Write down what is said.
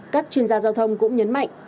các chuyên gia giao thông cũng nhấn mạnh